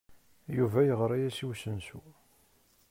Yuba yeɣra-as i usensu.